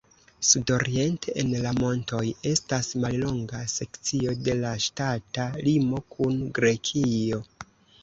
Sudoriente en la montoj estas mallonga sekcio de la ŝtata limo kun Grekio.